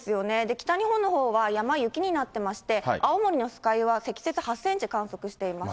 北日本のほうは山、雪になってまして、青森の酸ヶ湯は積雪８センチ観測しています。